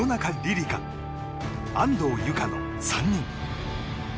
梨佳安藤友香の３人。